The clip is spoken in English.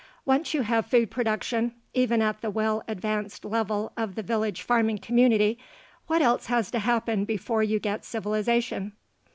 Once you have food production, even at the well advanced level of the village farming community, what else has to happen before you get civilization?